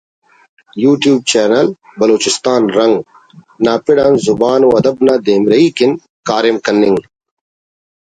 YouTube channel ”Balochistan رنگ“ نا پڑ آن زبان و ادب نا دیمروی کن کاریم کننگ